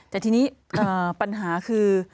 แต่ทีนี้ปัญหาคือ